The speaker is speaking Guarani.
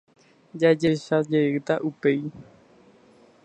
Jajuecha jeýta upéi.